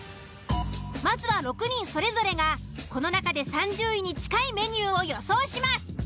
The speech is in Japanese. まずは６人それぞれがこの中で３０位に近いメニューを予想します。